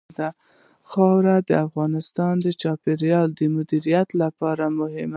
خاوره د افغانستان د چاپیریال د مدیریت لپاره مهم دي.